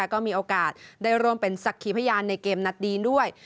ก็มีโอกาสได้ร่วมเป็นสักขีพยานในเกมนัดนี้ด้วย